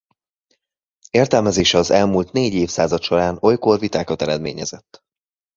Értelmezése az elmúlt négy évszázad során olykor vitákat eredményezett.